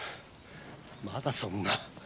まだそんな。